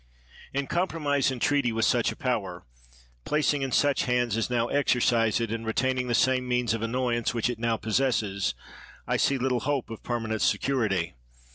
In compromise and treaty with such a power, placed in such hands as now exercise it, and re taining the same means of annoyance which it now possesses, I see little hope of permanent security.